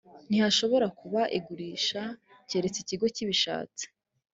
ntihashobora kuba igurisha keretse ikigo kibishatse